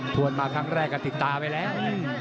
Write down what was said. วนมาครั้งแรกก็ติดตาไปแล้ว